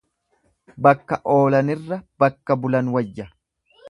Bakka oolanirra bakka bulan wayya.